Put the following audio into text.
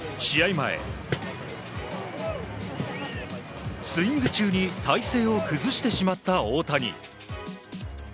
前、スイング中に体勢を崩してしまった大谷。